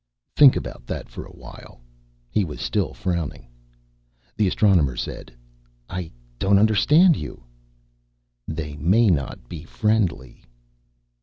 "Think about that for a while." He was still frowning. The Astronomer said, "I don't understand you." "They may not be friendly."